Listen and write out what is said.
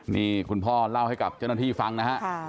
นี่คุณพ่อเล่าให้กับจน้านพี่ฟังนะ